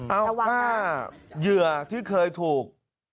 เอาถ้าเหยื่อที่เคยถูก